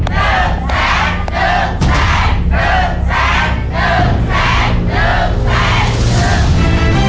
สึกแสงสึกแสงสึกแสงสึกแสง